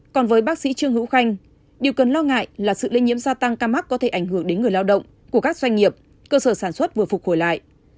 còn với bác sĩ trương hữu khanh điều cần lo ngại là sự lây nhiễm gia tăng ca mắc có thể ảnh hưởng đến người lao động của các doanh nghiệp cơ sở sản xuất vừa phục hồi lại